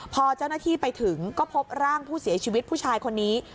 พอเจ้าหน้าที่ไปถึงก็พบร่างผู้เสียชีวิตผู้ชายคนนี้